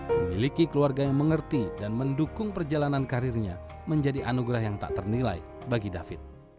memiliki keluarga yang mengerti dan mendukung perjalanan karirnya menjadi anugerah yang tak ternilai bagi david